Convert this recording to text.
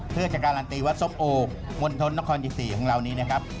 เพื่อจะการันตีวัดส้มโอมณฑลนครที่๔ของเรานี้นะครับ